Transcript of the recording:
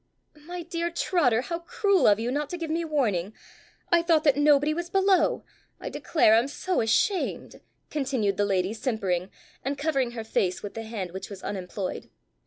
"My dear Trotter, how cruel of you not to give me warning; I thought that nobody was below. I declare I'm so ashamed," continued the lady simpering, and covering her face with the hand which was unemployed.